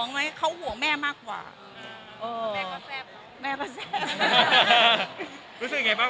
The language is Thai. ห่วงไหมเขาห่วงแม่มากกว่าเออแม่ก็แซ่บแม่ก็แซ่บรู้สึกยังไงบ้าง